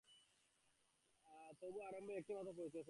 তবু আরম্ভে এই একটিমাত্র পরিচয়ই পেয়েছেন।